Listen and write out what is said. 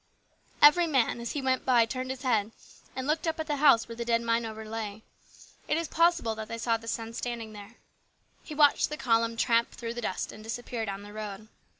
Every man as he went by turned his head and looked up at the house where the dead mine owner lay. It is possible THE GREAT STRIKE. 39 that they saw the son standing there. He watched the column tramp through the dust and disappear down the road.